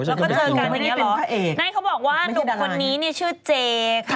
เราก็เจอกันอย่างนี้หรอนั่งเขาบอกว่าหนุ่มคนนี้ชื่อเจ่ค่ะ